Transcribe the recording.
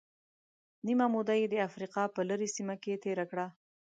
نیمه موده یې د افریقا په لرې سیمه کې تېره کړه.